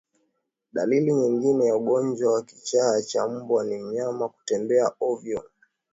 Dalili nyingine ya ugonjwa wa kichaa cha mbwa ni mnyama kutembea ovyo